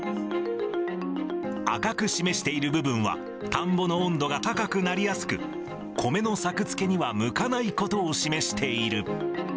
赤く示している部分は、田んぼの温度が高くなりやすく、米の作付けには向かないことを示している。